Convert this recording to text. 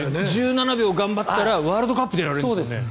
１７秒頑張ったらワールドカップに出られるんですもんね。